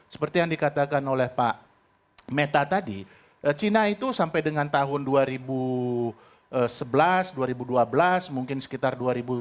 seperti yang dikatakan oleh pak meta tadi cina itu sampai dengan tahun dua ribu sebelas dua ribu dua belas mungkin sekitar dua ribu dua puluh